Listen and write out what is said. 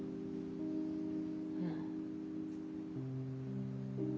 うん。